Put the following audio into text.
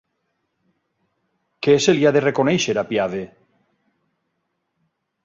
Què se li ha de reconèixer a Piave?